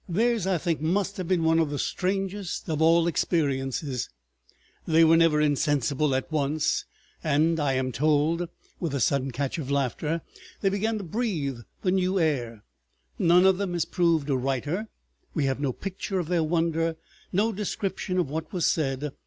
Theirs I think must have been one of the strangest of all experiences; they were never insensible; at once, and, I am told, with a sudden catch of laughter, they began to breathe the new air. None of them has proved a writer; we have no picture of their wonder, no description of what was said.